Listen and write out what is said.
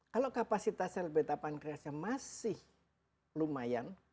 kalau kapasitas sel beta pankreasnya masih lumayan